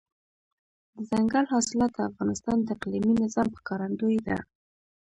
دځنګل حاصلات د افغانستان د اقلیمي نظام ښکارندوی ده.